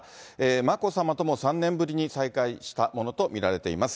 眞子さまとも３年ぶりに再会したものと見られています。